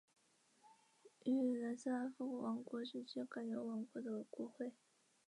于南斯拉夫王国时期改用王国的国徽。